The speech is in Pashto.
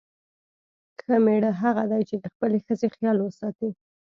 ښه میړه هغه دی چې د خپلې ښځې خیال وساتي.